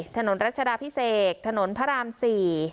ถนนรัชดาพิเศษถนนพระราม๔